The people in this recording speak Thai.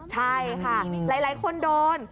ใช่ค่ะหลายคนโดน